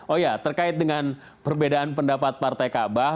oh ya terkait dengan perbedaan pendapat partai kaabah